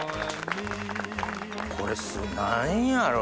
これ何やろう？